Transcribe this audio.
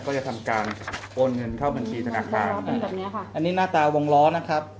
ก็จะทำการโอนเงินเข้าบัญชีธนาคารอะไรแบบนี้ค่ะอันนี้หน้าตาวงล้อนะครับ